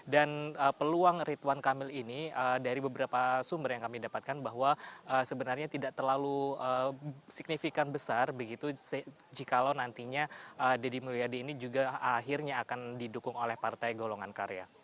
dan peluang ridwan kamil ini dari beberapa sumber yang kami dapatkan bahwa sebenarnya tidak terlalu signifikan besar begitu jikalau nantinya deddy mulyadi ini juga akhirnya akan didukung oleh partai golongan karya